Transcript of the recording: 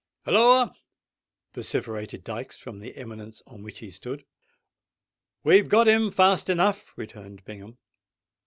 "Holloa?" vociferated Dykes, from the eminence on which he stood. "We've got him, fast enough," returned Bingham.